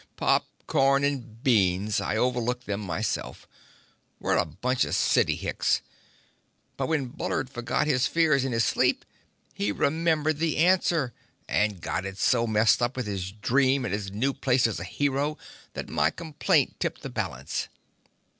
"Pop corn and beans. I overlooked them myself. We're a bunch of city hicks. But when Bullard forgot his fears in his sleep, he remembered the answer and got it so messed up with his dream and his new place as a hero that my complaint tipped the balance.